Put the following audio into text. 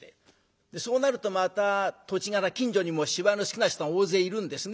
そうなるとまた土地柄近所にも芝居の好きな人が大勢いるんですね。